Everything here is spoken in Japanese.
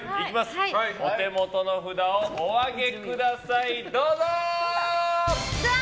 お手元の札をお上げください。